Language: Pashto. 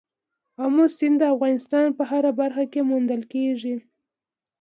آمو سیند د افغانستان په هره برخه کې موندل کېږي.